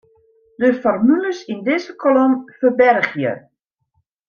De formules yn dizze kolom ferbergje.